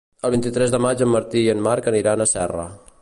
El vint-i-tres de maig en Martí i en Marc aniran a Serra.